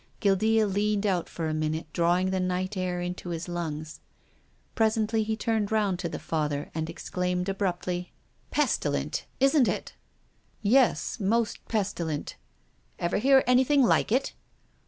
Guildca leaned out for a minute drawing the night air into his lungs. Presently he turned round to the I'^ather, and exclaimed abruptly, 3l8 TONGUES OF CONSCIENCE. "Pestilent! Isn't it?" "Yes — most pestilent." " Ever hear anything Hke it?"